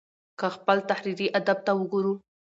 که خپل تحريري ادب ته وګورو